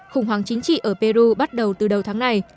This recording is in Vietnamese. khủng hoảng chính trị ở peru bắt đầu từ đầu tháng này